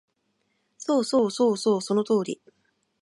そうそうそうそう、その通り